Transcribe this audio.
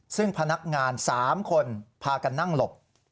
ซึ่งพนักงาน๓คนพากันนั่งหลบ